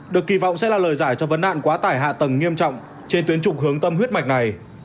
được kỳ vọng sẽ là lời giải cho vấn nạn quá tải hạ tầng nghiêm trọng trên tuyến trục hướng tâm huyết mạch này